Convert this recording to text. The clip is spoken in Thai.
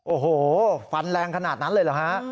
โอ้โหฟันแรงขนาดนั้นเลยเหรอฮะ